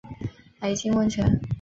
白金温泉